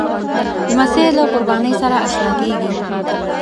لمسی له قربانۍ سره اشنا کېږي.